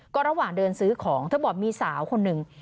ก็ระหว่างเดินซื้อของเธอบอกมีสาวคนหนึ่ง